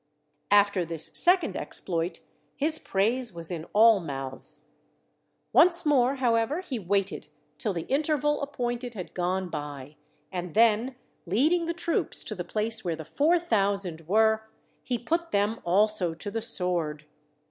After this second exploit, his praise was in all mouths. Once more, however, he waited till the interval appointed had gone by, and then leading the troops to the place where the four thousand were, THE WALLS OF BABYLON 63 he put them also to the sword.